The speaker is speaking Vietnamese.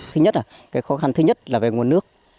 thứ nhất là cái khó khăn thứ nhất là về nguồn nước